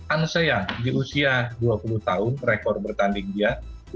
ahn se young di usia dua puluh tahun rekor bertanding dia